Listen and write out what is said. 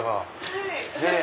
はい。